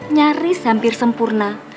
nyaris hampir sempurna